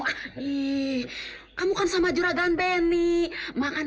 kamu sama juragan benny makanmu kan kamu sama juragan benny makanmu makanmu ayo buang buang